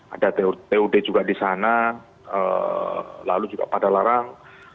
ada tod juga di sana lalu juga pada larang